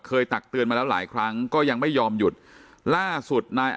ตักเตือนมาแล้วหลายครั้งก็ยังไม่ยอมหยุดล่าสุดนาย